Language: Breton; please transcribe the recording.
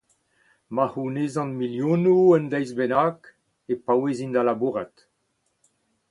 Ma c'hounezan milionoù un deiz bennak e paouezin da labourat.